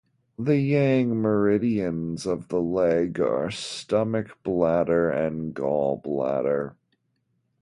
The Yang meridians of the leg are Stomach, Bladder, and Gall Bladder.